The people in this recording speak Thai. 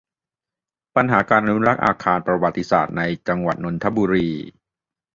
ปัญหาการอนุรักษ์อาคารประวัติศาสตร์ ในจังหวัดนนทบุรี